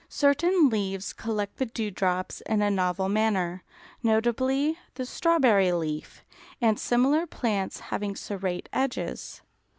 Certain leaves collect the dew drops in a novel manner, notably the strawberry leaf, and similar plants having serrate edges.